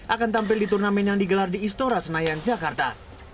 akan tampil di turnamen yang digelar di istora senayan jakarta